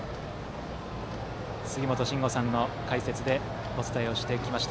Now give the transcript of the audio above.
杉本真吾さんの解説でお伝えをしてきました。